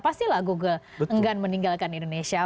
pastilah google enggan meninggalkan indonesia